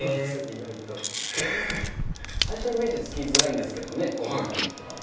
へぇ最初イメージつきづらいですけど見た時とかは。